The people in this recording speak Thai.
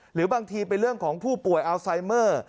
หรือบางทีเป็นเรื่องของผู้ป่วยอัลไซเมอร์